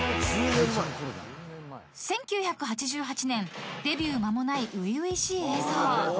［１９８８年デビュー間もない初々しい映像］